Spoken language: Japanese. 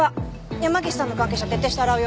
山岸さんの関係者徹底して洗うよ。